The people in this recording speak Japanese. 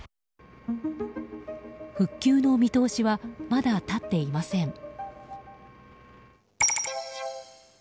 復旧の見通しはまだ立っていません。